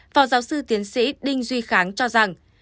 phó giáo sư tiến sĩ đinh duy kháng cho rằng